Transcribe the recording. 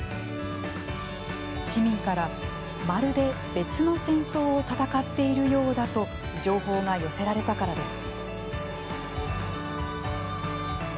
市民から、まるで別の戦争を戦っているようだと情報が寄せられたからです。